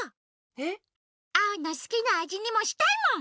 えっ？アオのすきなあじにもしたいもん！